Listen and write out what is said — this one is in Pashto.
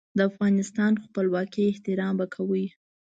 د افغانستان خپلواکۍ احترام به کوي.